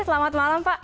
selamat malam pak